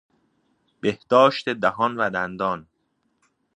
بهداشت دهان و دندان